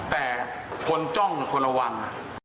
แต่คนจ้องคนระวัง